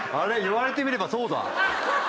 言われてみればそうだ。